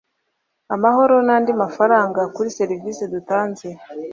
amahoro n andi mafaranga kuri serivisi rutanze